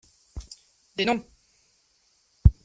Des noms !